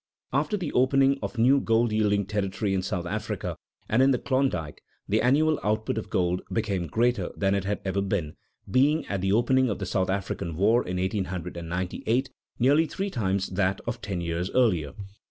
After the opening of new gold yielding territory in South Africa and in the Klondike, the annual output of gold became greater than it had ever been, being at the opening of the South African War in 1898 nearly three times that of ten years earlier.